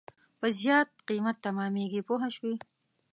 په زیات قیمت تمامېږي پوه شوې!.